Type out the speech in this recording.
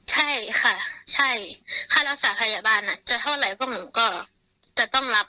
ใช่ไหมใช่ค่ะใช่ถ้าเราสาขยาบาลอ่ะจะเท่าไหร่พวกหนูก็จะต้องรับ